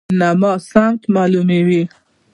قطب نما سمت معلوموي